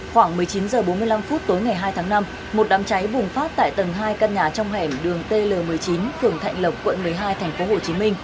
khoảng một mươi chín h bốn mươi năm tối ngày hai tháng năm một đám cháy bùng phát tại tầng hai căn nhà trong hẻm đường tl một mươi chín phường thạnh lộc quận một mươi hai tp hcm